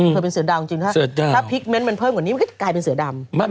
เธอเป็นเสือดาวจริงถ้าพลิกเมนต์มันเพิ่มกว่านี้มันก็กลายเป็นเสือดำ